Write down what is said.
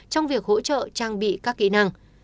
trong việc hỗ trợ trang bị các kỹ năng